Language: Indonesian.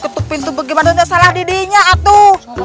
ketuk ketuk pintu bagaimana atuh salah didinya atuh